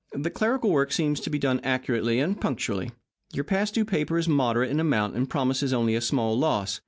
The clerical work seems to be done accurately and punctually. Your past due paper is moderate in amount, and promises only a small loss.